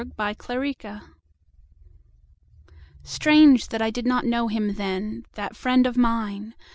An Old Story STRANGE that I did not know him then, That friend of mine!